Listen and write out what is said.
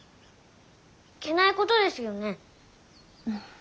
いけないことですよね。